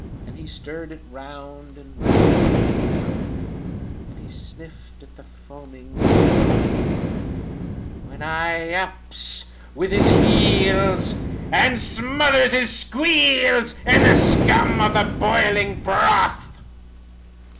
"And he stirred it round and round and round, And he sniffed at the foaming froth; When I ups with his heels, and smothers his squeals In the scum of the boiling broth.